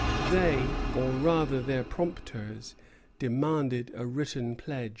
They, or rather their prompters, demanded a written pledge.